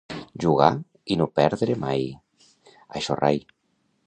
Jugar i no perdre mai, això rai.